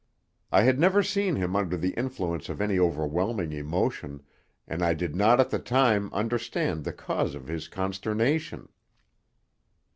I had never seen him under the influence of any overwhelming emotion, and I did not at the time understand the cause of his consternation.